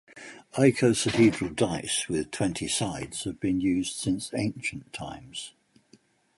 Icosahedral dice with twenty sides have been used since ancient times.